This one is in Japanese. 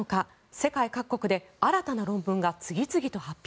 世界各国で新たな論文が次々と発表。